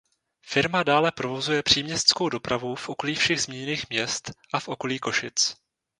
Firma dále provozuje příměstskou dopravu v okolí všech zmíněných měst a v okolí Košic.